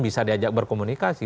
bisa diajak berkomunikasi